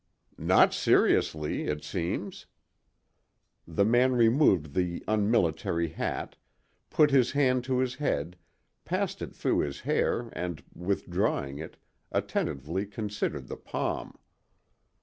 "Not seriously—it seems." The man removed the unmilitary hat, put his hand to his head, passed it through his hair and, withdrawing it, attentively considered the palm.